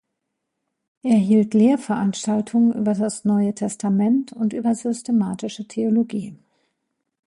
Er hielt Lehrveranstaltungen über das Neue Testament und über Systematische Theologie.